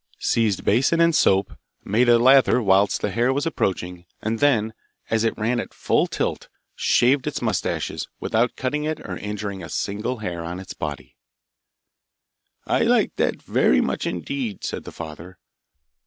seized basin and soap, made a lather whilst the hare was approaching, and then, as it ran at full tilt, shaved its moustaches, without cutting it or injuring a single hair on its body. 'I like that very much indeed,' said the father.